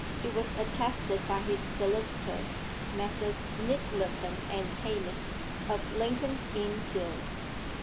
It was attested by his solicitors, Messrs. Nyttleton and Tayling, of Lincoln's Inn Fields.